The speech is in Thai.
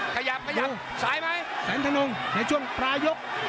ขยับสายไหมแสนทนงในช่วงประยก